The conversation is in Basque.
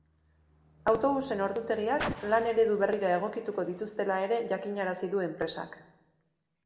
Autobusen ordutegiak lan-eredu berrira egokituko dituztela ere jakinarazi du enpresak.